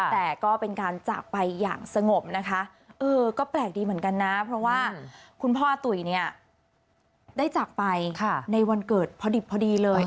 แต่ก็เป็นการจากไปอย่างสงบนะคะเออก็แปลกดีเหมือนกันนะเพราะว่าคุณพ่ออาตุ๋ยเนี่ยได้จากไปในวันเกิดพอดิบพอดีเลย